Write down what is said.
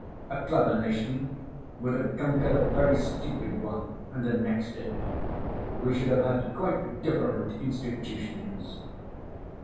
A clever nation would have conquered a very stupid one and annexed it. We should have had quite different institutions."